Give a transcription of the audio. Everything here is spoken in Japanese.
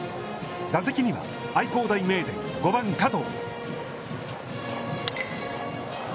打席には愛工大名電５番加藤。